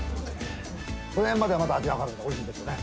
このへんまではまだ味が分かるんでおいしいんですよね。